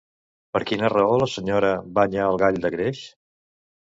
Per quina raó la senyora banya al gall de greix?